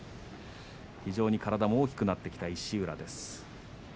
非常に体が大きくなってきた石浦です。